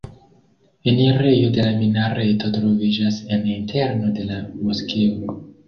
Enirejo de la minareto troviĝas en interno de la moskeo.